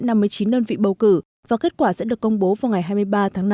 các nơi nâng vị bầu cử và kết quả sẽ được công bố vào ngày hai mươi ba tháng năm